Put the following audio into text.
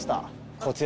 こちら。